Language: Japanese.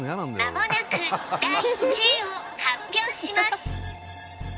間もなく第１位を発表します